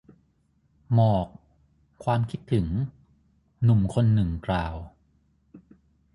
หมอก ความคิดถึง หนุ่มคนหนึ่งกล่าว